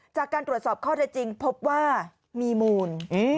จากการตรวจสอบข้อได้จริงพบว่ามีมูล